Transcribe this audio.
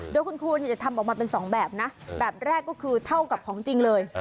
โดยคุณครูจะทำออกมาเป็น๒แบบนะแบบแรกก็คือเท่ากับของจริงเลย